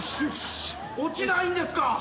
落ちないんですか？